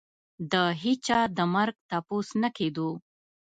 د هېچا د مرګ تپوس نه کېدو.